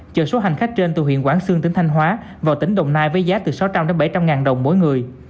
chờ số hành khách trên từ huyện quảng sương tỉnh thanh hóa vào tỉnh đồng nai với giá từ sáu trăm linh bảy trăm linh ngàn đồng mỗi người